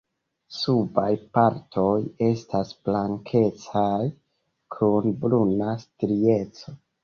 Subaj partoj estas blankecaj kun bruna strieco.